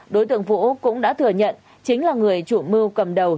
đối tượng vũ cũng đã thừa nhận chính là người chủ mưu cầm đầu